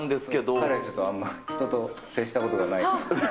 彼、ちょっとあんま人と接したことがないから。